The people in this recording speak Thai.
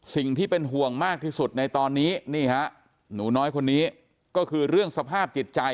สิ่งที่เป็นห่วงมากที่สุดในตอนนี้นี่ฮะหนูน้อยคนนี้ก็คือเรื่องสภาพจิตใจ